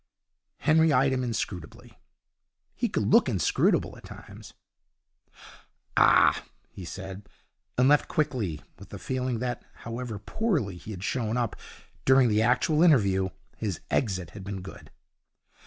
Henry eyed him inscrutably. He could look inscrutable at times. 'Ah!' he said, and left quickly, with the feeling that, however poorly he had shown up during the actual interview, his exit had been good.